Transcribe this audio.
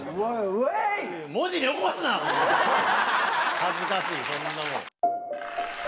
恥ずかしいそんなもん。